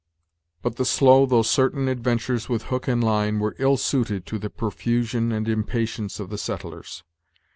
But the slow though certain adventures with hook and line were ill suited to the profusion and impatience of the settlers.